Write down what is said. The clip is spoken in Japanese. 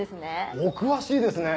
お詳しいですね。